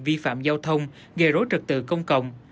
vi phạm giao thông gây rối trực tự công cộng